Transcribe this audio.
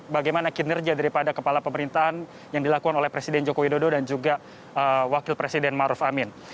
bagaimana kinerja daripada kepala pemerintahan yang dilakukan oleh presiden joko widodo dan juga wakil presiden maruf amin